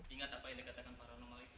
ingat apa yang dikatakan paranomal itu